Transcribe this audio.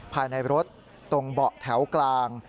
ภายในรถตรงเหล่าบ่าแถวกลาง